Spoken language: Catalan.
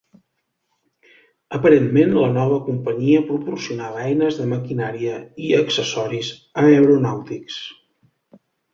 Aparentment, la nova companyia proporcionava eines de maquinària i accessoris aeronàutics.